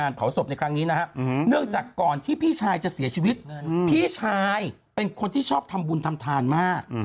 แล้วเหมือนจะหนุ่มออกมานะ